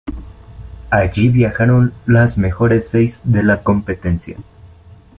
Allí viajaron las mejores seis de la competencia.